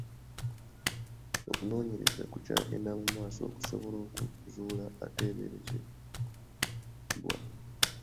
Okunoonyereza kukyagenda mu maaso okusobola okuzuula ateeberezebwa.